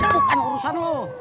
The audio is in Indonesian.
bukan urusan lu